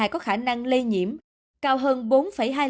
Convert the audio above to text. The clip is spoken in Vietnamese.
có khả năng lây nhiễm cao hơn bốn hai lần so với biến thể omicron